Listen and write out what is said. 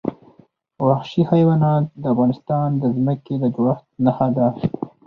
وحشي حیوانات د افغانستان د ځمکې د جوړښت نښه ده.